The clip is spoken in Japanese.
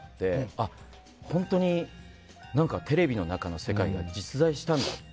あ、本当にテレビの中の世界は実在したんだって。